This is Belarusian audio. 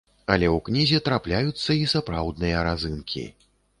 Але ў кнізе трапляюцца і сапраўдныя разынкі.